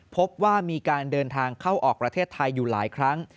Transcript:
พบว่ามีการเดินทางเข้าออกประเทศไทยอยู่หลายครั้ง